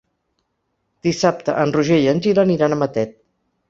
Dissabte en Roger i en Gil aniran a Matet.